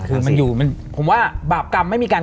คือมันอยู่ผมว่าบาปกรรมไม่มีการ